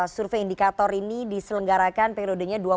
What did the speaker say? survei indikator ini diselenggarakan periodenya dua ribu dua puluh